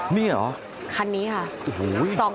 นี่เหรอคันนี้ค่ะโอ้โห